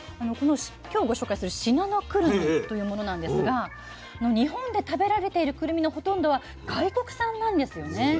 今日ご紹介する信濃くるみというものなんですが日本で食べられているくるみのほとんどは外国産なんですよね。